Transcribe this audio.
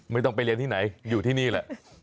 ไม่ต้องไปเรียนที่ไหนอยู่ที่นี่แหละ